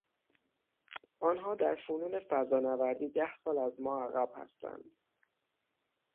آنها در فنون فضانوردی ده سال از ما عقب هستند.